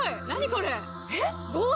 これ。